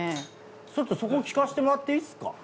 ちょっとそこ聞かせてもらっていいですか？